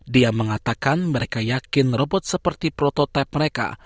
dia mengatakan mereka yakin robot seperti prototipe mereka